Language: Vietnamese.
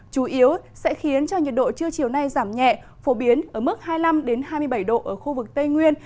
chủ yếu sẽ khiến cho nhiệt độ trưa chiều nay giảm nhẹ phổ biến ở mức hai mươi năm hai mươi bảy độ ở khu vực tây nguyên